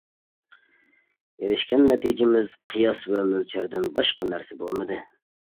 ئېرىشكەن نەتىجىمىز قىياس ۋە مۆلچەردىن باشقا نەرسە بولمىدى.